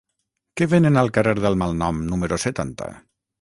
Què venen al carrer del Malnom número setanta?